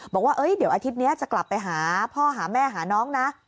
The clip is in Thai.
บอกว่าเดี๋ยวอาทิตย์นี้จะกลับไปหาพ่อหาแม่หาน้องนะ